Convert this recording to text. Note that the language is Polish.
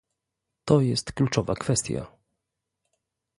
To jest kluczowa kwestia